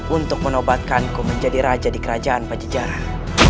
untuk menobatkanku menjadi raja di kerajaan pajajaran